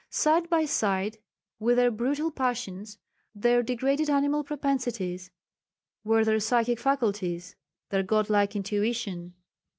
Side by side with their brutal passions, their degraded animal propensities, were their psychic faculties, their godlike intuition.